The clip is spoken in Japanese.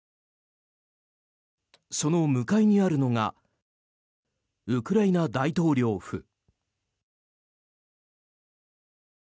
その向かいにあるのがウクライナ大統領府。